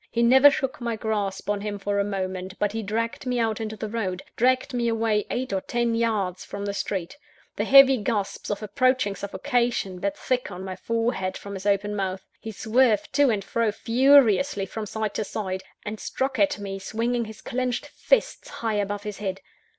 He never shook my grasp on him for a moment; but he dragged me out into the road dragged me away eight or ten yards from the street. The heavy gasps of approaching suffocation beat thick on my forehead from his open mouth: he swerved to and fro furiously, from side to side; and struck at me, swinging his clenched fists high above his head.